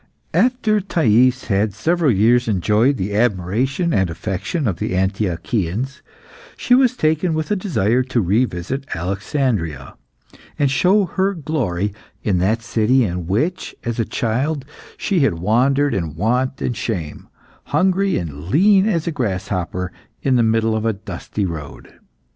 After she had several years enjoyed the admiration and affection of the Antiochians, she was taken with a desire to revisit Alexandria, and show her glory in that city in which, as a child, she had wandered in want and shame, hungry and lean as a grasshopper in the middle of a dusty road.